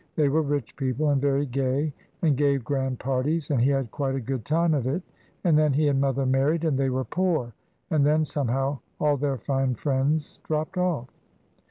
They were rich people and very gay, and gave grand parties, and he had quite a good time of it; and then he and mother married, and they were poor; and then, somehow, all their fine friends dropped off."